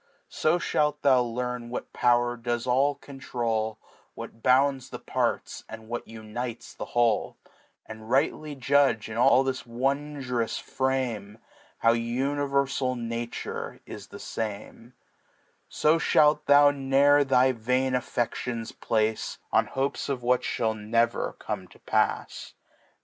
So ihalt thou icam "wtiat Pow'r does all eontrdy What bounds the Parts, and what qniftes ik^ Wiiek^ And rightly jndge, in all this wondroas Fraiaej^ How univeml Nature is the fame; So ihalt thou ne'er thy vain AfFe^ons place On Hopes of what ihall never come topafs.